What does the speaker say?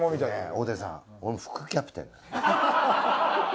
大竹さん俺も副キャプテン。